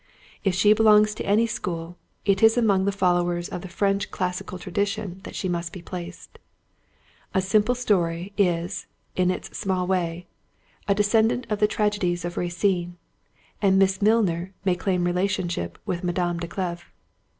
If she belongs to any school, it is among the followers of the French classical tradition that she must be placed. A Simple Story is, in its small way, a descendant of the Tragedies of Racine; and Miss Milner may claim relationship with Madame de Clèves.